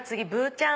ちゃん。